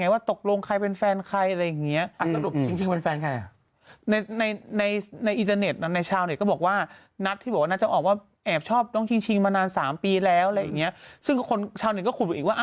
หอนแกะนู่นหอนเบื้อเตียนอืม